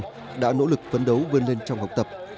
đồng chí vương đình huệ đã nỗ lực phấn đấu vươn lên trong học tập